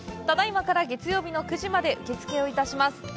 ただいまから月曜日の９時まで受付をいたします。